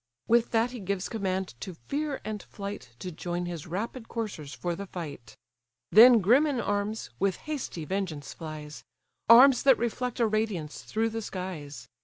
With that he gives command to Fear and Flight To join his rapid coursers for the fight: Then grim in arms, with hasty vengeance flies; Arms that reflect a radiance through the skies.